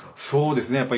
そうですね。